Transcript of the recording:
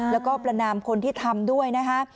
แล้วก็ประนามคนที่ทำด้วยนะคะ